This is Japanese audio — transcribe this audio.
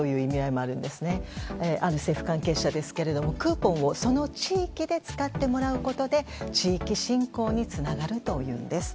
ある政府関係者ですがクーポンをその地域で使ってもらうことで地域振興につながるというんです。